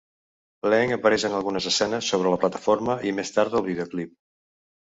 Leng apareix en algunes escenes sobre la plataforma i més tard al videoclip.